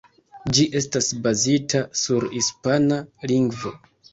Ĝi estas bazita sur hispana lingvo.